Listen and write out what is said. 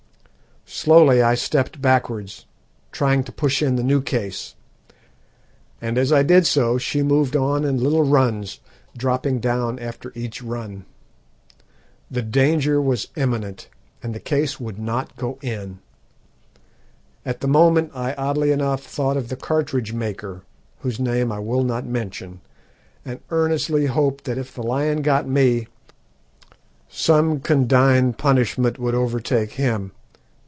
Slowly I stepped backwards, trying to push in the new case, and as I did so she moved on in little runs, dropping down after each run. The danger was imminent, and the case would not go in. At the moment I oddly enough thought of the cartridge maker, whose name I will not mention, and earnestly hoped that if the lion got me some condign punishment would overtake _him.